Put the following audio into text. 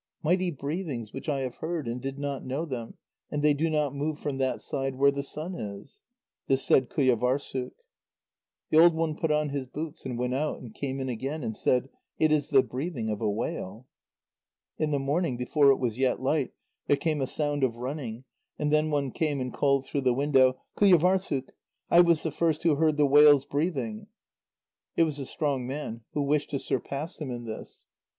"Mighty breathings which I have heard, and did not know them, and they do not move from that side where the sun is." This said Qujâvârssuk. The old one put on his boots, and went out, and came in again, and said: "It is the breathing of a whale." In the morning, before it was yet light, there came a sound of running, and then one came and called through the window: "Qujâvârssuk! I was the first who heard the whales breathing." It was the strong man, who wished to surpass him in this.